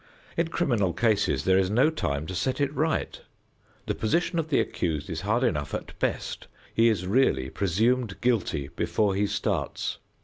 In criminal cases there is no time to set it right. The position of the accused is hard enough at best. He is really presumed guilty before he starts.